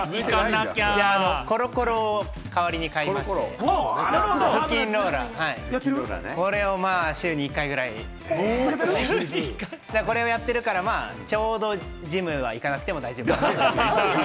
コロコロをかわりに買いまして、腹筋ローラーを、これをまぁ、週に１回ぐらい、これをやってるからまあ、ちょうどジムは行かなくても大丈夫かなって。